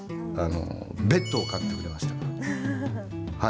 ベッドを買ってくれました。